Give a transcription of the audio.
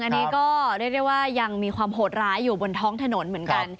อันนี้ก็เรียกได้ว่ายังมีความโหดร้ายอยู่บนท้องถนนเหมือนกัน